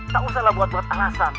tak usahlah buat buat alasan